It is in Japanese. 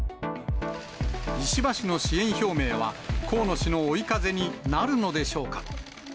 石破氏の支援表明は、河野氏の追い風になるのでしょうか。